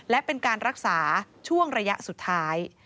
และเป็นการรักษาช่วงระยะสุดท้าย